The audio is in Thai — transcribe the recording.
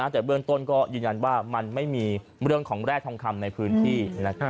แต่เบื้องต้นก็ยืนยันว่ามันไม่มีเรื่องของแร่ทองคำในพื้นที่